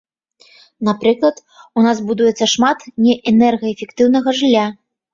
Напрыклад, у нас будуецца шмат неэнергаэфектыўнага жылля.